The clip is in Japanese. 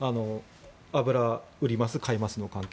油売りますと買いますの関係。